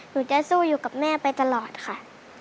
หนูจะสู้อยู่กับแม่ไปตลอดค่ะ